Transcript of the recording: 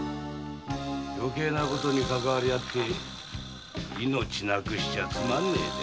余計な事にかかわり合って命なくしちゃつまんねえぜ。